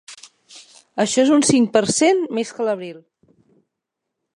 Això és un cinc per cent més que a l’abril.